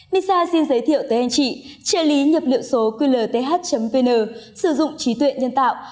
misa xin giới thiệu tới anh chị trợ lý nhập liệu số qlth vn sử dụng trí tuệ nhân tạo